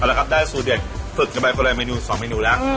เอาละครับได้สูตรเด็กสุดกับไบเฟอร์ไลน์เมนู๒มีนูแล้ว